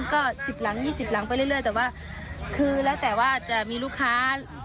ก็สิบหลังยี่สิบหลังไปเรื่อยเรื่อยแต่ว่าคือแล้วแต่ว่าจะมีลูกค้า